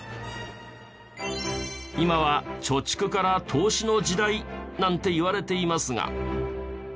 今は貯蓄から投資の時代なんていわれていますが。